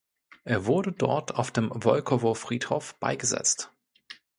Er wurde dort auf dem Wolkowo-Friedhof beigesetzt.